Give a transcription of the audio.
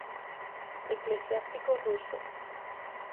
Eclesiástico ruso.